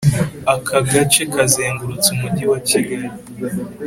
Akagace kazengutse umujyi wa Kigali